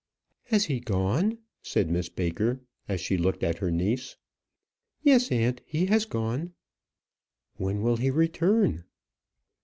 "Has he gone?" said Miss Baker, as she looked at her niece. "Yes, aunt, he has gone." "When will he return?"